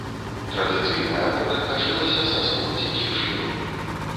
Традыцыйная вопратка шылася са скур дзікіх жывёл.